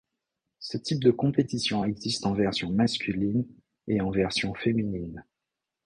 Ce type de compétitions existe en version masculine et en version féminine.